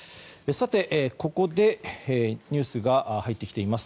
ここでニュースが入ってきています。